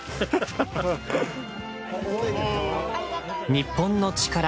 『日本のチカラ』